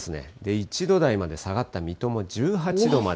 １度台まで下がった水戸も１８度まで。